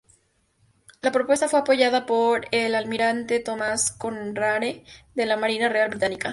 La propuesta fue apoyada por el Almirante Thomas Cochrane de la Marina Real británica.